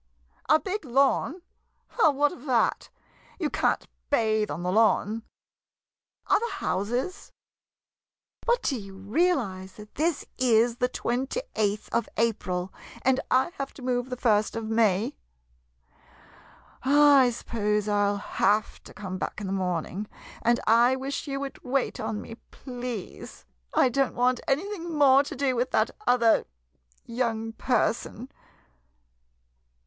A big lawn ? Well, what of that — you can't bathe on the lawn! Other houses? — but do 44 IN THE MERRY MONTH OF MAY you realize that this is the 28th of April, and I have to move the first of May? I suppose I '11 have to come back in the morning — and I wish you would wait on me, please. I don't want anything more to do with that other young person.